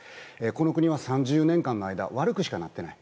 この国は３０年間の間悪くしかなってない。